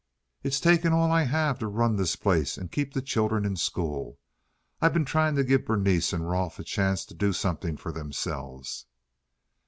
"It's taken all I have to run this place and keep the children in school. I've been trying to give Berenice and Rolfe a chance to do something for themselves."